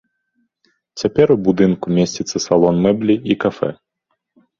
Цяпер у будынку месціцца салон мэблі і кафэ.